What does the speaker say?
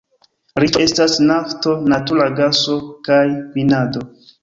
Riĉo estas nafto, natura gaso kaj minado.